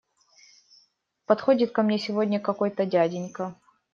Подходит ко мне сегодня какой-то дяденька.